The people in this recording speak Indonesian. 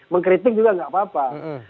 mengkritik juga nggak apa apa